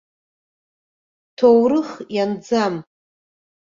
Ҭоурых ианӡам.